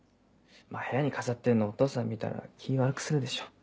部屋に飾ってんのお父さん見たら気悪くするでしょ。